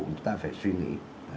chúng ta phải suy nghĩ